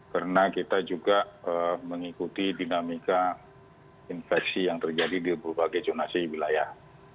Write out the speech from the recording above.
karena kita juga mengikuti dinamika infeksi yang terjadi di berbagai zonasi wilayah